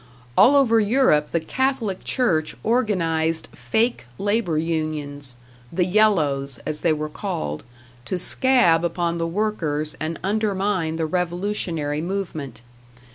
All over Europe the Catholic Church organized fake labor unions, the "yellows," as they were called, to scab upon the workers and undermine the revolutionary movement.